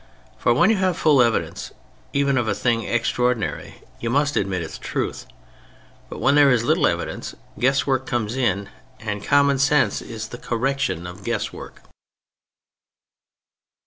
For when you have full evidence, even of a thing extraordinary, you must admit its truth. But when there is little evidence guess work comes in, and common sense is the correction of guess work.